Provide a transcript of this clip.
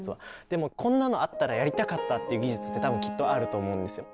でもこんなのあったらやりたかったっていう技術って多分きっとあると思うんですよ。